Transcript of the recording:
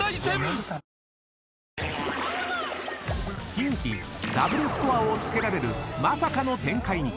［キンキダブルスコアをつけられるまさかの展開に］